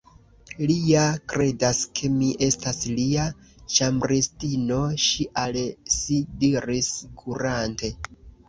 "Li ja kredas ke mi estas lia ĉambristino," ŝi al si diris, kurante.